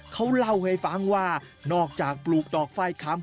เขาเล่าให้ฟังว่านอกจากปลูกดอกไฟค้ำ